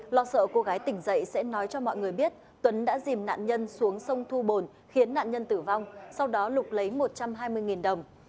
lo sợ cô gái tỉnh dậy sẽ nói cho mọi người biết tuấn đã dìm nạn nhân xuống sông thu bồn khiến nạn nhân tử vong sau đó lục lấy một trăm hai mươi đồng